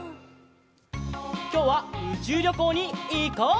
きょうはうちゅうりょこうにいこう！